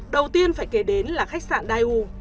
đầu tiên phải kể đến là khách sạn dai u